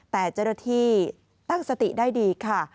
แต่เจ้าหน้าที่ตั้งสติได้ดีค่ะ